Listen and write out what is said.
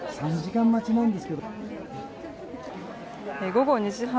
午後２時半。